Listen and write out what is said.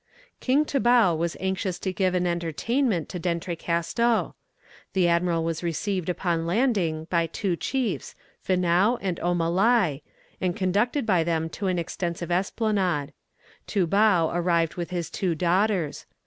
King Toubau was anxious to give an entertainment to D'Entrecasteaux. The admiral was received upon landing by two chiefs, Finau and Omalai, and conducted by them to an extensive esplanade. Toubau arrived with his two daughters.